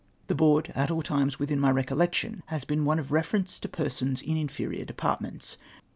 The Board, at all times Avithin my recollection, has been one of reference to persons in inferior depart ments.